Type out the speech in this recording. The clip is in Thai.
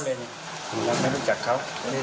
เราไม่รู้จักเขา